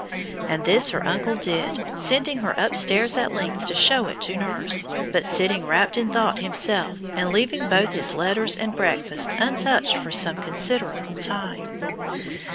And this her uncle did, sending her upstairs at length to show it to nurse, but sitting wrapped in thought himself and leaving both his letters and breakfast untouched for some considerable time.